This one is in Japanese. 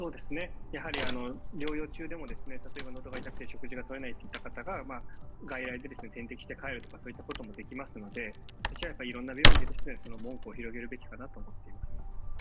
療養中でも例えば喉が痛くて食事がとれないという方も外来で点滴して帰るとかそういうこともできますのでいろんな病院で門戸を広げるべきかなと思っています。